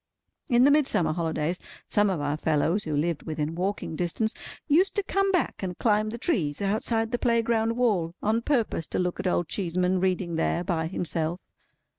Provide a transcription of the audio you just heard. In the Midsummer holidays, some of our fellows who lived within walking distance, used to come back and climb the trees outside the playground wall, on purpose to look at Old Cheeseman reading there by himself.